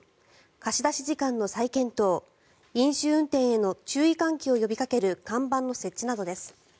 貸し出し時間の再検討飲酒運転への注意喚起を呼びかける看板の設置などです。